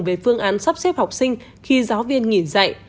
về phương án sắp xếp học sinh khi giáo viên nghỉ dạy